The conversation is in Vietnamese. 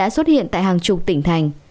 xuất hiện tại hàng chục tỉnh thành